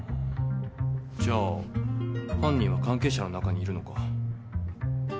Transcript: じゃあ犯人は関係者の中にいるのか。